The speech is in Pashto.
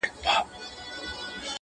هغه هوا له تور کاکله دې هلکه لاړه